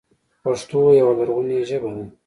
پښتو يوه لرغونې ژبه ده.